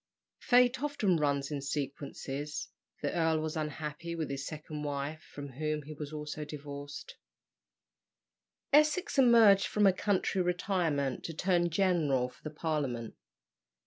Fate often runs in sequences the earl was unhappy with his second wife, from whom he also was divorced. Essex emerged from a country retirement to turn general for the Parliament.